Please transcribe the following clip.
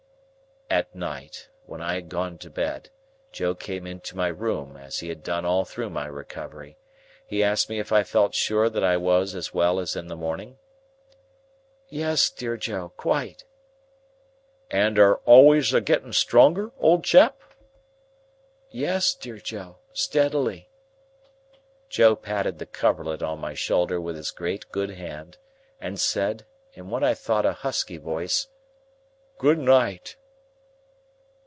At night, when I had gone to bed, Joe came into my room, as he had done all through my recovery. He asked me if I felt sure that I was as well as in the morning? "Yes, dear Joe, quite." "And are always a getting stronger, old chap?" "Yes, dear Joe, steadily." Joe patted the coverlet on my shoulder with his great good hand, and said, in what I thought a husky voice, "Good night!"